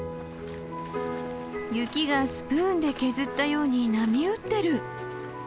雪がスプーンで削ったように波打ってる！